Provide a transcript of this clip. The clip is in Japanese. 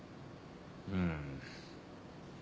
うん。